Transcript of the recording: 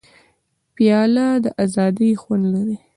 پیاله د ازادۍ خوند لري.